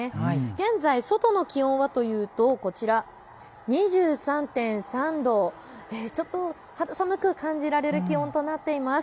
現在、外の気温はというとこちら、２３．３度、ちょっと肌寒く感じられる気温となっています。